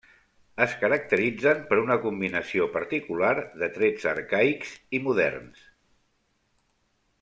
Es caracteritzen per una combinació particular de trets arcaics i moderns.